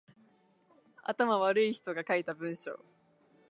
頭悪い人が書いた文章